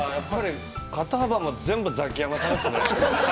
◆肩幅も全部ザキヤマさんですね。